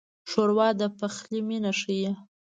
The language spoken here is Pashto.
ښوروا د پخلي مینه ښيي.